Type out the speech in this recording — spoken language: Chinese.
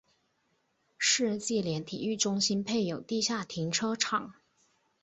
世纪莲体育中心配有地下停车场。